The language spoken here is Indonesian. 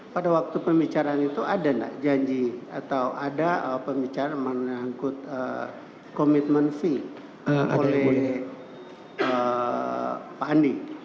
pada waktu pembicaraan itu ada nggak janji atau ada pembicaraan menangkut komitmen fee oleh pak andi